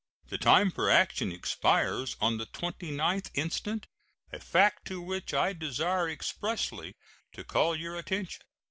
The time for action expires on the 29th instant, a fact to which I desire expressly to call your attention.